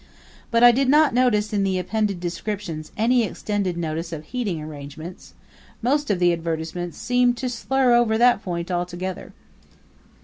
But I did not notice in the appended descriptions any extended notice of heating arrangements; most of the advertisements seemed to slur over that point altogether.